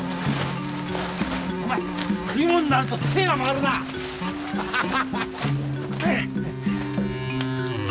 お前食い物になると知恵が回るなあ。